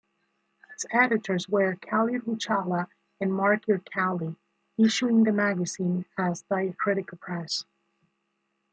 Its editors were Cali Ruchala and Mark Irkali, issuing the magazine as "Diacritica Press".